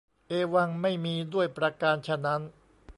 เอวัง ไม่มีด้วยประการฉะนั้น